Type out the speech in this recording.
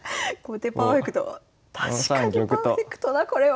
確かにパーフェクトだこれは！